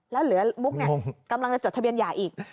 แล้วเหลือมุกกำลังจะจดทะเบียนหย่าอีก